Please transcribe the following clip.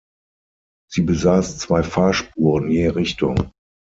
Sie besaß zwei Fahrspuren je Richtung.